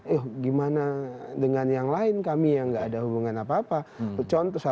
eh gimana dengan yang lain kami yang nggak ada hubungan apa apa